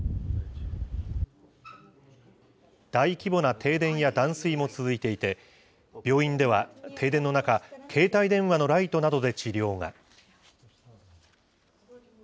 大規模な停電や断水も続いていて、病院では、停電の中、携帯電話のライトなどで治療が。